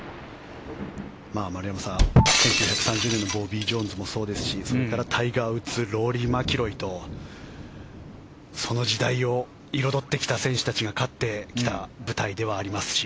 丸山さん、１９３０年のボビー・ジョーンズもそうですしそれからタイガー・ウッズローリー・マキロイとその時代を彩ってきた選手たちが勝ってきた舞台ではありますし。